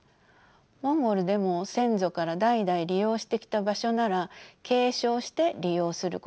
モンゴルでも先祖から代々利用してきた場所なら継承して利用することができます。